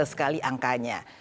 kecil sekali angkanya